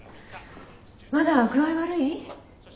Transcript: まだ具合悪い？